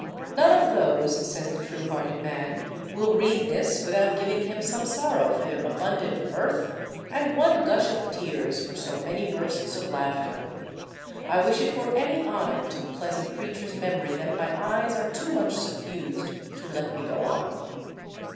"None of those," says the true hearted man, "will read this without giving him some sorrow for their abundant mirth, and one gush of tears for so many bursts of laughter. I wish it were any honour to the pleasant creature's memory that my eyes are too much suffused to let me go on."